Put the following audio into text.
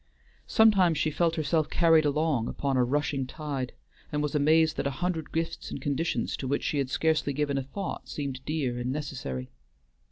Sometimes she felt herself carried along upon a rushing tide, and was amazed that a hundred gifts and conditions to which she had scarcely given a thought seemed dear and necessary.